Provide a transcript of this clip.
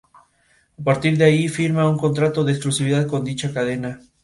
Y a partir de ahí firma un contrato de exclusividad con dicha cadena.